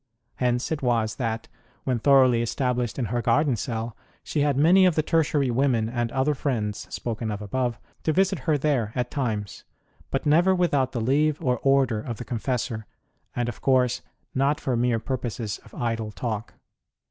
Hence it was that, when thoroughly established in her garden cell, she had many of the Tertiary women and other friends, spoken of above, to visit her there at times ; but never without the leave or order of the confessor, and of course not for mere purposes of idle talk.